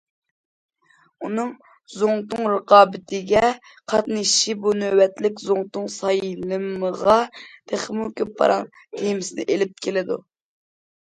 ئۇنىڭ زۇڭتۇڭ رىقابىتىگە قاتنىشىشى بۇ نۆۋەتلىك زۇڭتۇڭ سايلىمىغا تېخىمۇ كۆپ پاراڭ تېمىسىنى ئېلىپ كېلىدۇ.